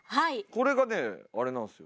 これがねあれなんですよ。